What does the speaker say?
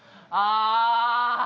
あ！